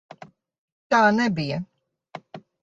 Tā nebija!